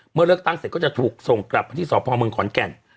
เมื่อเลือกตั้งเสร็จก็จะถูกส่งกลับมาที่สพเมืองขอนแก่น